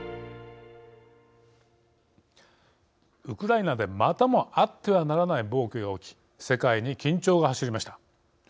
ウクライナで、またもあってはならない暴挙が起き世界に緊張が走りました。